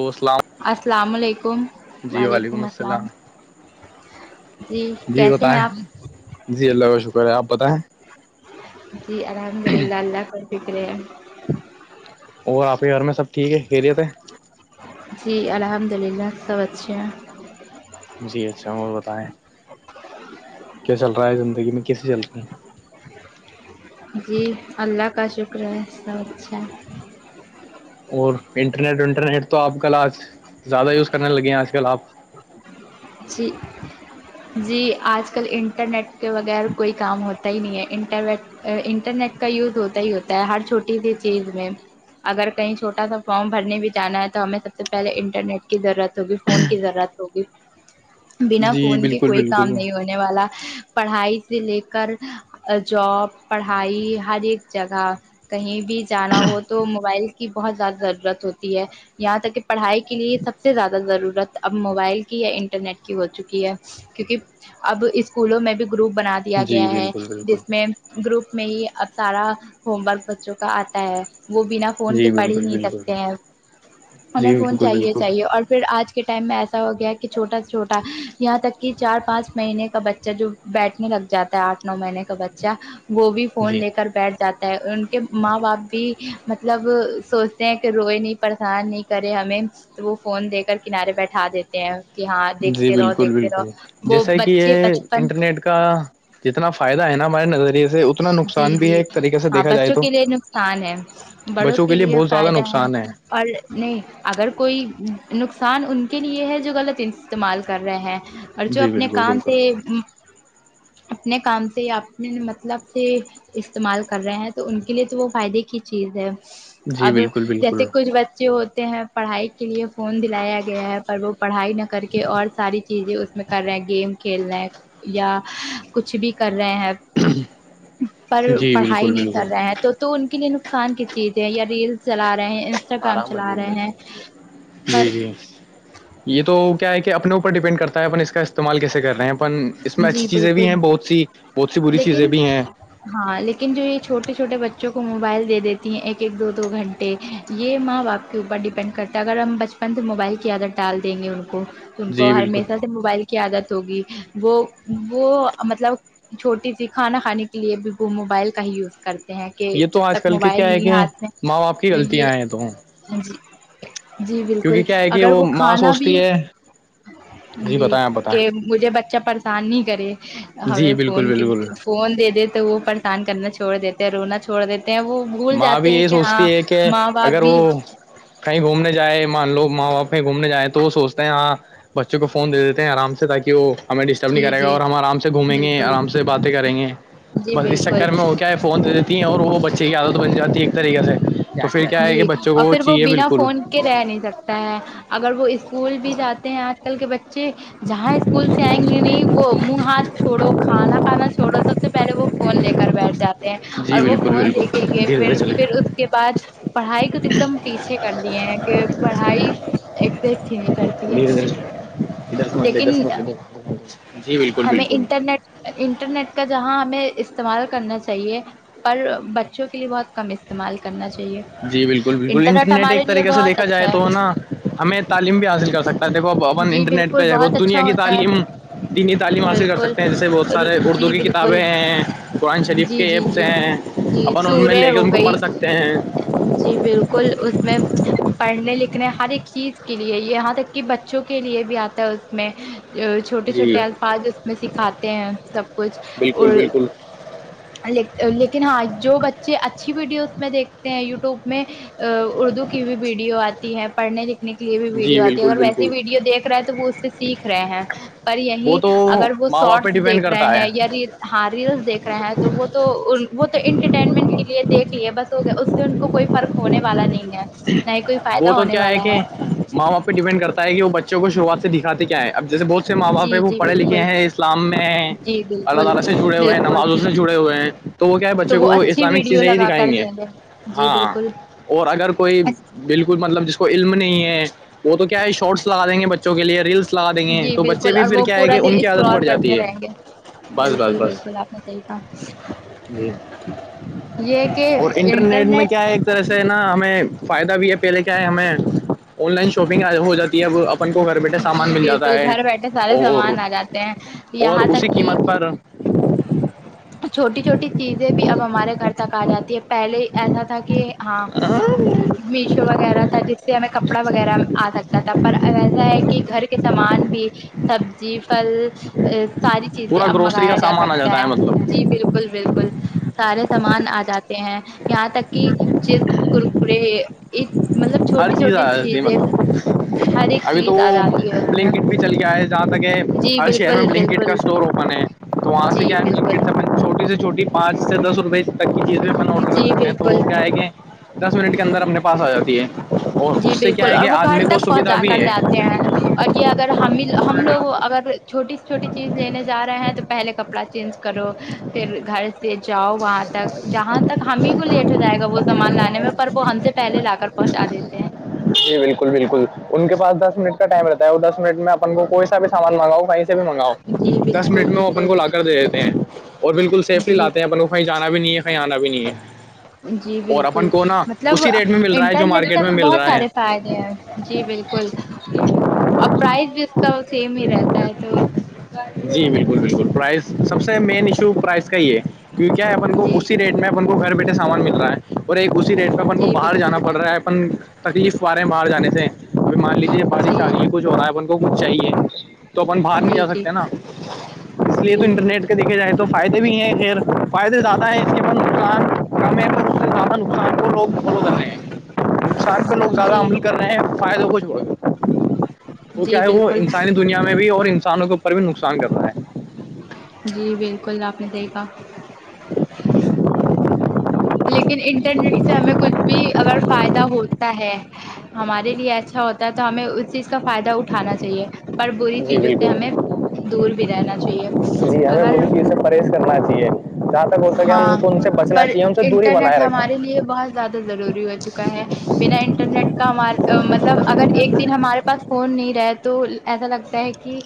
و السلام السلام علیکم و جی ععلیکم وعلیکم السلام جی کیسے ہیں بتائیں آپ جی اللہ کا شکر ہے آپ بتائیں جی الحمد للہ اللہ کا فکرے ہیں اور آپ کے گھر میں سب ٹھیک ہے خیریت ہے جی الحمد للہ سب اچھے ہیں جی اچھا اور بتائیں کیا چل رہا ہے زندگی میں کیسے چلتی ہیں جی اللہ کا شکر ہے سب اچھا اور انٹرنیٹ ونٹرنیٹ تو آپ کل آج زیادہ یوز کرنے لگے ہیں آج کل آپ [unintelligible] چیک جی آج کل انٹرنیٹ کے بغیر کوئی کام ہوتا ہی نہیں ہے انٹرنیٹ انٹرنیٹ کا یوز ہوتا ہی ہوتا ہے ہر چھوٹی سی چیز میں اگر کہیں چھوٹا سا فارم بھرنے بھی جانا ہے تو ہمیں سب سے پہلے انٹرنیٹ کی ضرورت ہوگی فون کی ضرورت ہوگی بنا جی فون کے بالکل کوئی کام بالکل نہیں ہونے والا پڑھائی سے لے کر جاب پڑھائی ہر ایک جگہ کہیں بھی جانا ہو تو موبائل کی بہت زیادہ ضرورت ہوتی ہے یہاں تک کہ پڑھائی کے لیے سب سے زیادہ ضرورت اب موبائل کی یا ر نٹ کی ہو چکی ہے کیونکہ اب اسکولوں میں بھی گروپ بناات د دیا جی گیا ہے بالکل بالکل جس میں گروپ میں ہی سارا ہوم ورک بچوں کا آتا ہے وہ بنا فون جی کے پڑھ ہی بالکل نہیں بالکل سکتے ہیں جی انہیں فون بالکل چاہیے بالکل چاہیے اور پھر آج کے ٹائم میں ایسا ہو گیا کہ چھٹا سےا چھوٹا یہاں تک کہ چار پانچ مہینے کا بچہ جو بیٹھنے لگ جاتا ہے آٹھ نو مہینے کا بچہ وہ بھی فون جی لے کر بیٹھ جاتا ان کے ماں باپ بھی مطلب سوچتے ہیں کہ روئے نہیں پریشان نہیں کرے ہمیں تو وہ فون دے کر کنارے بیٹھا دیتے ہیں کہ ہاں جی دیکھتے رہو بالکل دیکھتے بالکل رہو وہ جیسا کہ بچے یہ بچپن انٹرنیٹ کا جتنا فائد ہے نا ہمارے نظریے سے اتنا جی نقصان بھی جی ہے ایک طریقے سے ہاں دیکھا جائے بچوں تو کے لیے نقصان ہے بڑوں بچوں کے لیے بہت زیادہ فائدہ ہے نقصان اور نہیں اگر کوئی نقصان ان کے لیے ہے جو غلط استعمال کر رہے ہیں اور جو جی اپنے بالکل کام بالکل سے اپنے کام سے اپنے مطلب سے استعمال کر رہے ہیں تو ان کے لیے تو وہ فائدے کی چیز ہے جی اب بالکل جیسے بالکل کچھ بچے ہوتے ہیں پڑھائی کے لیے فون دلایا گیا ہے پر وہ پڑھائی نہ کر کے اور ساری چیزیں اس میں کر رہے ہیں گیم کھیلنے یا کچھ بھی کر رہے ہیں پر جی پڑھائی بالکل نہیں بالکل کر رہے ہیں تو تو ان کے لیے نقصان کی چیز ہے یا ریل چلا رہے ہیں انسٹاگرام آرام میں د چلا رہے گ ہیں پر جی جی یہ تو کیا ہے کہ اپنے اوپر ڈیپینڈ کرتا ہے اپن اس کا استعمال کیسے کر رہے ہیں اپن اس میں جی اچھی چیزیں بھی بالکل ہیں بہت سی بہت سی بری چیزیں لیکن بھی ہیں ہاں لیکن جو یہ چوٹے چھوٹے بچوں کو موبائل دے دیتی ہیں ایک ایک دو گھنٹے یہ ماں باپ کے اوپر ڈیپینڈ کرتے اگر ہم بچپن سے موبائل کی عادت ڈال دیں گے ان کو ان کو جی بالکل ہرمیشہ سے موبائل کی عادت ہوگی وہ وہ مطلب چھوٹی سی کھانا کھانے کے لیے بھی وہ موبائل کا ہی یوز کرتے ہیں کہ یہ تو جب آج تک کل کے موبائل کیا ہے نہیں کہ ہاتھ میں ماں باپ کی یہ غلطیاں ہیں تو جی جی کیونکہ بالکل کیا ہے کہ اگر وہ ماں کھانا بھی سوچتی ہے جی بتائیں آپ کہ بتائیں مجھے بچہ پریشان نہیں کرے جی ہمیں بالکل فون کی بالکل فون دے دیتے وہ پریشان کرنا چھوڑ دیتے ہیں رونا چھوڑ دیتے ہیں وہ بھول ماں جاتے بھی ہیں یہی کہ سوچتی ہاں ہے کہ ماں باپ اگر بھی وہ کہیں گھومنے جائے مان لوگ ماں باپ کہیں گھومنے جائیں تو وہ سوچتے ہیں ہاں بچوں کو فون دے دیتے ہیں آرام سے تاکہ وہ ہمیں ڈسٹرب نہیں جی کرے گا جی اور ہم آرام سے گھومیں گے بالکل آرام سے باتیں کریں گے جی بس اس بالکل چکر میں وہ کیا ہے فون دے دیتی ہیں اور وہ بچے کی عادت بن جاتی ہے ایک طریقے سے تو پھر کیا ہے کہ جی بچوں کو اور وہ پھر چاہیے بنا بالکل فون کے رہ نہیں سکتا ہے اگر وہ اسکول بھی جاتے ہیں آج آج کل کے بچے جہاں اسکول سے آئیں گے نہیں وہ منہ ہاتھ چھوڑو کھانا کھانا چھوڑو سب سے پہلے وہ فون لے کر بیٹھ جاتے ہیں جی اور وہ بالکل فون بالکل دیکھیں گے دھیرے دھیرے پھر چلے پھر اس کے بعد پڑھائی کو تو ایک دم پیچھے کر دیے ہیں کہ پڑھائی ایک پھی نکلتی دھیرے ہےس دھیرے ادھر سےمجل ادھر سے مجل جی بالکل ہمیں بالکل انٹرنیٹ انٹرنیٹ کا جہاں ہمیں استعمال کرنا چاہیے پر بچوں کے لیے بہت کم استعمال کرنا چاہیے جی بالکل بالکل انٹرنیٹ ہمارے ایک لیے طریقے سے بہت دیکھا جائے اچھا ہے تو نا ہمیں تعلیم بھی حاصل کر سکتے دیکوپ اپن جی انٹرنیٹ بالکل پہ دیکھو بہت دنیا اچھا کی ہوتا تعلیم ہے تین تعم حاصل کر بالکل سکتے ہیں جیسے بہت سارے اردو جی کی ک بالکل کتابیں ہیں قرآن شریف جی کے جی ایپس جی ہیں جی ان ان میں سورہ لے کے ہو ان کو گئی پڑھ سکتے ہیں جی بالکل اس میں پڑھنے لکھنے ہر ایک چیز کے لیے یہ یہاں تک کہ بچ بچوں کے لیے بھی آتا ہے اس میں چھوٹے جی چھوٹے الفاظ اس میں سکھاتے ہیں سب کچھ بالکل اور بالکل لیکن ہاں جو بچے اچھی ویڈیوز میں دیکھتے ہیں یوٹیوب میں اردو کی بھی ویڈیو آتی ہے پڑھنے لکھنے کے لیے بھی جی ویڈیو آتی ہے بالکل اگر ویسے بالکل ویڈیو دیکھ رہا ہے تو وہ اس سے سیکھ رہے ہیں پر یہی وہ تو اگر وہ ماں باپ پہ شارٹس ڈیپینڈ دیکھ رہے کرتا ہے ہیں یا ہاں ریلس دیکھ رہے ہیں تو وہ تو وہ تو انٹرٹینمنٹ کے لیے دیکھ لیے بس ہو گ اس سے ان کو کوئی فرق ہونے والا نہیں ہے نہ ہی کوئی فائدہ وہ تو ہونے کیا ہے والا کہ ماں باپ پہ ڈیپینڈ کرتا ہے کہ وہ بچہ کو شروعات سے دکھاتے کیا ہےب جیسے بہت جی جی بالکل جی [inaudible] بالکل بالکل تو وہ کیا ہے بچے تو وہ کو اچھی اسلامک ویڈیو چیزیں ہی لگا دکھائیں کر گے دیں جی ہاں بالکل اور اگر کوئی بالکل مطلب جس کو علم نہیں ہے وہ تو کیا ہے شارٹس لگا دیں گے بچوں کے لیے ریلس لگا دیں گے جی تو بچے بالکل بھی اور پھر وہ کیا ہے پورا کہ دن ان کی عادت اسکلور پڑ کرتے جاتی ہے رہیں گے بس بس بالکل بس بالکل آپ بتے کا جی اور انٹرنیٹ میں کیا ہے اس طرح سے نا ہمیں فائدہ بھی ہے پہلے کیا ہے ہمیں آن لائن شاپنگ ہو جاتی ہے اپن کو گھر بیٹھے سامان جی مل جاتا بالکل ہے گھر بیٹھے سارے اور سامان آ جاتے ہیں اور یہاں اسی تک کہ قیمت پر چھوٹی چھوٹی چیزیں بھی اب ہمارے گھر تک آ جاتی ہے پہلے ایسا تھا کہ ہاں میشو وغیرہ تھا جس سے ہمیں کپڑا وغیرہ آ سکتا تھا پر ویسا ہے کہ گھر کے سامان بھی سبزی فل ا ساری چیزیں پورا گروسری کا منگایا جا سامان آ سکتا جاتا ہے مطلب جی بالکل بالکل سارے سامان آ جاتے ہیں یہاں تک کہ چز ککرے ہر چیز آ اس مطلب ہر ایک ابھی تو چیز آ وہ جاتی ہے اس میں پلنگ کٹ بھی چل کے آئے جاں تھا کہ جی ہر شہر بالکل میں بلنک کڈ کا بالکل اسٹور اوپن ہے تو وہاں سے جی کیا ہے بالکل بلنکڈ سے چھٹی سے چھٹی پانچ سے دس روپئے تک کی چیز بھی اپنا آڈر کر جی دیتے ہیں بالکل تو کیا آ ہے کہ دس منٹ کے اندر اپنے پاس آ جاتی ہے اور جی اس سے کیا بالکل ہے اور کہ وہ گھر آدمی کو تک سویدھا پہنچا بھی کر ہے جاتے ہیں اور یہ اگر ہم ہم لوگوں اگر چھوٹی سےی چھوٹی چیز لینے جا رہے ہیں تو پہلے کپڑا چینج کرو پھر گھر سے جاؤ وہاں تک جہاں تک ہم ہی کو لیٹ ہو جائے گا وہ سامان لانے میں پر وہ ہم سے پہلے لا کر پہنچا دیتے ہیں جی بالکل بالکل ان کے پاس دس منٹ کا ٹائم رہتا ہے اور دس منٹ میں اپن کو کوئی بھی سامان منگاؤ کہیں سے بھی منگاؤ جی دس بالکل منٹ میں وہ اپن بالکل کو لا کر دے دیتے ہیں اور بالکل سیفلی جی لاتے ہیں اپل کو کہیں جانا بھی نہیں ہے کہیں آنا بھی نہیں ہے جی اور بالکل اپن کو نا مطلب اسی ریٹ میں مل رہا ہے جو انٹرنیٹ سے مارکیٹ میں ہمیں مل بہت رہا ہے سارے فائد جی بالکل اور پرائز بھی اس کا سیم ہی رہتا ہے تو جی بالکل بالکل پرائز سب سے مین ایشو پرائز کا یہ ہے کی کیا ہے اپن کو جی اسی ریٹ میں اپن کو گھر بیٹھے سامان مل رہا ہے اور ایک اسی ریٹ میں اپن کو جی باہر بالکل جانا پڑ رہا ہے اپن تکلیف پا رہے ہیں باہر جانے سے ابھی مان لیجیے جی پارشانی کچھ ہو رہا ہےب ان کو کچھ چاہیے تو اپن باہر نہیں جی جا جی سکتے نا اس لیے تو جی انٹرنیٹ دیکھے جائیں تو فائدے بھی ہیں خیر فائدے زیادہ ہیں اس کے نقصان کم ہے میں اس کے سھنان کو لوگ فالو کر رہے ہیں انسان کا لوگ زیادہ جی عمل کر رہے ہیں فائدہ وہہ جڑا گ وہ کیا جی ہے وہ بالکل انسانی دنیا میں بھی اور انسانوں کے اوپر بھی نقصان کر رہ ہے جی بالکل آپ نے دیکھا ںو لیکن انٹرنیٹ سے ہمیں کچھ بھی اگر فائدہ ہوتا ہے ہمارے لیے اچھا ہوتا ہے تو ہمیں اس چیز کا فائدہ اٹھانا چاہیے پر بری جی چیزوں سے بالکل ہمیں دور بھی رہنا چاہیے جی ہمیں اگر بری چیز سے پرہیز کرنا چاہیے جہاں تک ہو سکے ان ہاں کو ان سے بچنا چاہیے ان سے دوری بنائے رکھیں یہ بات زیادہ ضروری ہو چکا ہے بنا انٹرنیٹ کا ہمار مطلب اگر ایک دن ہمارے پاس فون نہیں رہ تو ایسا لگتا ہے کہ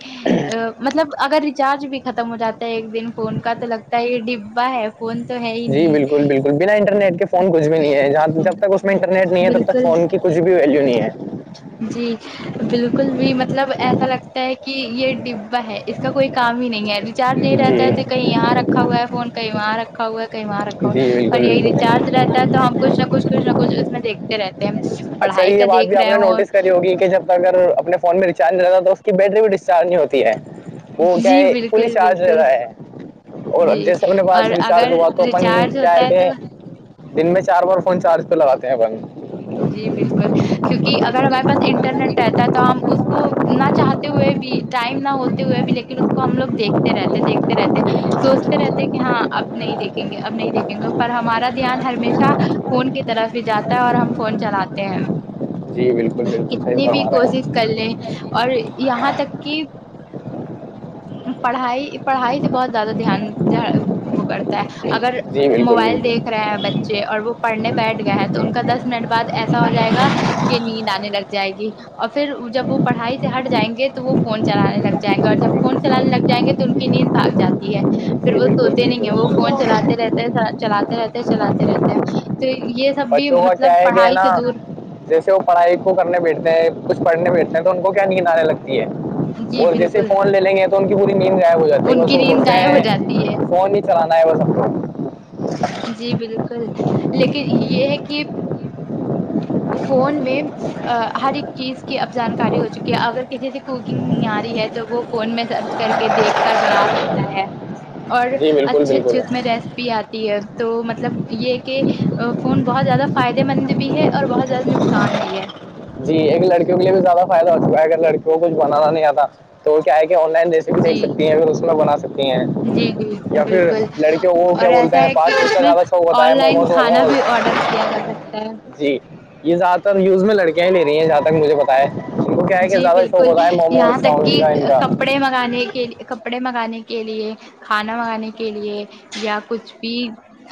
ا مطلب اگر ریچارج بھی ختم ہو جاتا ہے ایک دن فون کا تو لگتا ہے یہ ڈبا ہے کون تو ہے ہی جی نہیں بالکل بالکل بنا انٹرنیٹ کے فون کچھ بھی نہیں ہے جہ جب تک اس میں انٹرنیٹ نہیں ہے تب تک بالکل فون کی کچھ بھی ویلیو نہیں ہے جی بالکل بھی مطلب ایسا لگتا ہے کہ یہ ڈبا ہے اس کا کوئی کام ہی نہیں ہے چارج د رہتا ہے توے کہیں یہاں رکھا ہوا جی ہے فون کہیں وہاں رکھا رکھا ہوا ہے کہیں وہاں رکھا جی ہوا اور بالکل یہی ریچارج بالکل رہتا ہے تو ہم کچھ نہ کچھ کچھ نہچ اس میں دیکھتے رہتے ہیں پڑھائی کا دیکھ رہے ہو ہو گی کہ جب [unintelligible] اگر اپنے فون میں ریچارج نہیں رہتا تو اس کی بیٹری بھی ڈسچارج نہیں ہوتی ہے وہ کیا جی ہے پلی بالکل چارج بالکل رہتا ہے اور جی جیسے اپنے پاس اور ریچارج اگر ہوا تو اپن ریچارج کیا ہے ہوتا تو کہ دن میں چار بار فون چارج تو لگاتے ہیں بند جی بالکل کیونکہ اگر ہمارے پاس انٹرنیٹ رہتا تو ہم اس کو نہ چاہتے ہوئے بھی ٹائم نہ ہوتے ہوئے بھی لیکن اس کو ہم لوگ دیکھتے رہتے دیکھ رہتے ہیں سوچتے رہتے کہ ہاں اب نہیں دیکھیں گے اب نہیں دیکھیں گے پر ہمارا دھیان ہمیشہ فون کی طرف ہی جاتا ہے اور ہم فون چلاتے ہیں بالکل بالکل صحیح کتنی بھی فرما رہے ہیں کوشش آپ کر لیں اور یہاں تک کہ پڑھائی پڑھائی سے بہت زیادہ دھیان وہ کرتا ہے اگر جی بالکل موبائل بالکل دیکھ رہے ہیں بچے اور وہ پڑھنے بیٹھ گئے ہیں تو ان کا دس منٹ بد ایسا ہو جائے گا کہ نیند آنے لگ جائے گی اور پھر جب وہ پڑھائی سے ہٹ جائیں گے تو وہ فون چلانے لگ جائیں گے اور جب فون چلانے لگ جائیں گے تو ان کی نیند بھاگ جاتی ہے پھر جی وہ بالکل سوتے نہیں ہیں وہ فون بالکل چلاتے رہتے ہیں چلاتے رہتے چلاتے رہتے ہیں تو یہ سب بھی بچوں کا مطلب کیا ہے پڑھائی نا سے دور جیسے وہ پڑھائی کو کرنے بیٹتے ہیں کچھ پڑھنے بیٹتے ہیں ان کو کہنے کہ نعرے لگتی ہے جی اور جیسے بالکل فون لے لیں گے تو ان کی پوری نیند غائب ہو جاتی ہے ان بس کی وہ نیند سوچتے غائب ہو جاتی ہے ہیں فون چلانا ہے وہ سب جی بالکل لیکن یہ ہے کہ فون میں ہر ایک چیز کی اب جانکاری ہو چکی ہے اگر کسی سے کوکنگ نہیں آ رہی ہے تو وہ فون میں سرچ کر کے دیکھ کر بنا سکتا ہے اور جی بالکل اچھے بالکل اچھھی اس میں ریسیپی آتی تو مطلب یہ کہ فون بہت زیادہ فائدے مند بھی ہے اور بہت زیادہ نقصان بھی ہے جی ایک لڑکوں کے لیے بھی زیادہ فائدہ ہو چکا اگر لڑی وہ کچھ بنانا نہیں آتا تو وہ کیا ہے کہ آن لائن ریسیپ دیکھ جی سکتی ہیں اگر اس میں بنا سکتے ہیں جی جی یا پھر بالکل لڑکیوں کو کیا اور بولتے ایسا ہیں ہے کہ فاسٹ فوڈ اس کا میں زیادہ شوق ہوتا آن ہے لائن موموز کھانا بھی ووموز آڈر کیا جا سکتا ہے جی یہ زدہ تر یوز میں لڑکیاں لے رہی ہیں جہ تک مجھے پتا ان کو کیا ہے کہ جی زیادہ شوق ہوتا ہے موموز چاؤمین کا ان کا منانے کے [unintelligible] کے لیے کپڑے منگانے کے لیے کھانا منگانے کے لیے یا کچھ بھی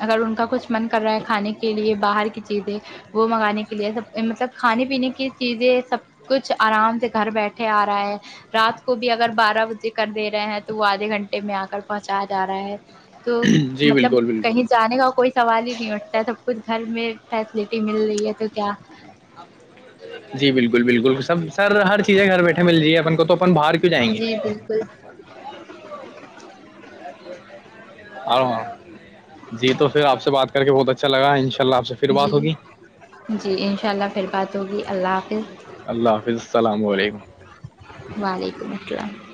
اگر ان کا کچھ من کر رہا ہے کھانے کے لیے باہر کی چیزیں وہ منگانے کے لیے سب مطلب کھانے پینے کی چیزیں سب کچھ آرام سے گھر بیٹھے آ رہا ہے رات کو بھی اگر بارہ بجے کر دے رہے ہیں تو وہ آدھے گھنٹے میں آ کر پہنچایا جا رہا ہے تو جی مطلب بالکل بالکل کہیں جانے کا کوئی سوال ہی نہیں اٹھتا ہے سب کچھ گھر میں فیسلٹی مل رہی ہے تو کیا جی بالکل بالکل سب سر ہر چیزیں گھر بیٹھے مل جیے اپن کو تو جی بالکل [unintelligible] ہاں ہاں جی تو پھر آپ سے بات کر کے بہت اچھا لگا ان شاء اللہ آپ سے پھر بات جی ہوگی جی انشاء اللہ پھر بات ہوگی اللہ حافظ اللہ حافظ السلام علیکم [unintelligible] وعلیکم السلام